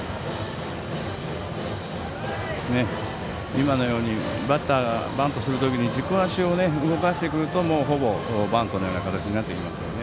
今のようにバッターがバントするときに軸足を動かしてくるとほぼ、バントのような形になってきますよね。